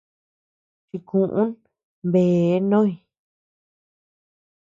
Chikuún bee noy.